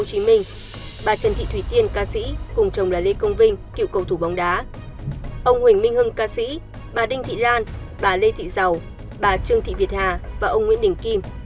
ca sĩ cùng chồng là lê công vinh cựu cầu thủ bóng đá ông huỳnh minh hưng ca sĩ bà đinh thị lan bà lê thị giàu bà trương thị việt hà và ông nguyễn đình kim